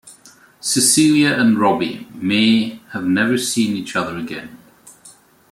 Cecilia and Robbie may have never seen each other again.